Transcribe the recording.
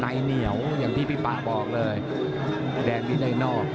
นายเหนียวอย่างที่พี่พีย์ป